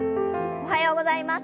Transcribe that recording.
おはようございます。